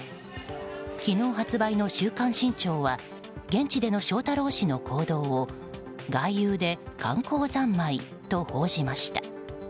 昨日発売の「週刊新潮」は現地での翔太郎氏の行動を「外遊で観光三昧」と報じました。